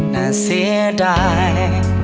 น่าเสียดาย